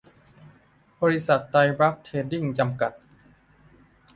บริษัท ไตรบรรพเทรดดิ้ง จำกัด